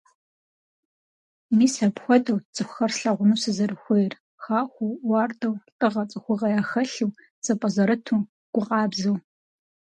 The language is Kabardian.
Мис апхуэдэут цӀыхухэр слъэгъуну сызэрыхуейр: хахуэу, уардэу, лӀыгъэ, цӀыхугъэ яхэлъу, зэпӀэзэрыту, гу къабзэу.